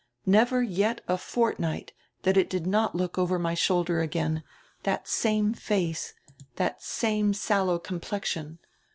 Never yet a fortnight that it did not look over my shoulder again, that same face, the same sallow complexion.